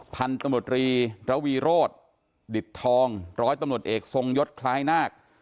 พันธุ์ตำรวจรีระวีโรธดิตทองร้อยตำรวจเอกทรงยศคล้ายนาค